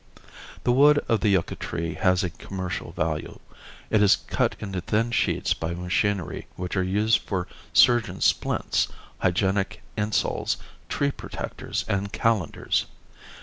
The wood of the yucca tree has a commercial value. It is cut into thin sheets by machinery which are used for surgeon's splints, hygienic insoles, tree protectors and calendars.